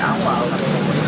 untuk mendukung mas gajah